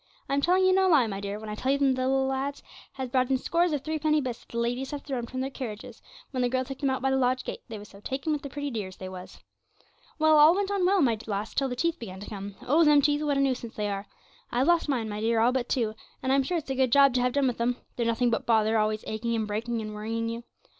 I'm telling you no lie, my dear, when I tell you them little lads has brought in scores of threepenny bits that the ladies have thrown them from their carriages, when the girl took them out by the lodge gate; they was so taken with the pretty dears, they was. 'Well, all went on well, my lass, till the teeth began to come, oh, them teeth, what a nuisance they are! I've lost mine, my dear, all but two, and I'm sure it's a good job to have done with 'em they're nothing but bother, always aching and breaking and worrying you.